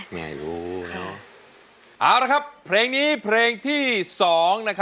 เอาละครับเพลงนี้เพลงที่สอง